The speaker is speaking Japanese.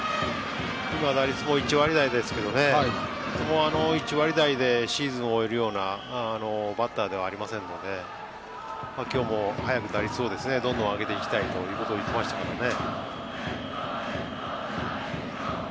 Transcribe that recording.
今、打率も１割台ですがとても１割台でシーズンを終えるようなバッターではありませんので今日も、早く打率をどんどん上げていきたいということを言っていましたからね。